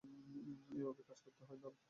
এভাবেই কাজ করতে হয়, দল।